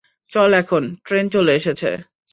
চল এখন, ট্রেন চলে এসেছে।